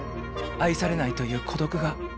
愛されないという孤独が。